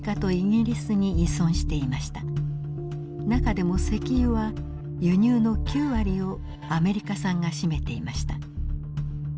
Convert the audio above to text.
中でも石油は輸入の９割をアメリカ産が占めていました。